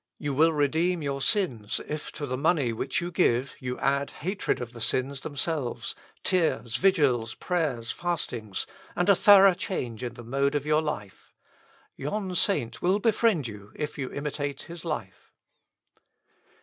You will redeem your sins, if to the money which you give you add hatred of the sins themselves, tears, vigils, prayers, fastings, and a thorough change in your mode of life. Yon saint will befriend you if you imitate his life.'